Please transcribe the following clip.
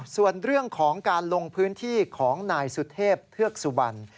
ส่วนเรื่องของการลงพื้นที่ของนายสุเทพเทือกสุบัน